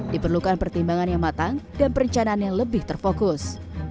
diperlukan pertimbangan yang matang dan perencanaan yang lebih terfokus